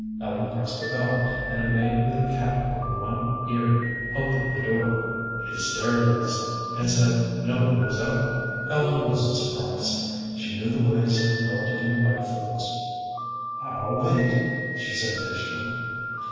Ellen pressed a bell, and a maid with her cap over one ear opened the door. She stared at us, and said no one was up. Ellen wasn't surprised. She knew the ways of well to do white folks. "I'll wait," she said patiently.